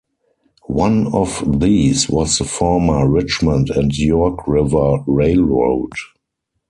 One of these was the former Richmond and York River Railroad.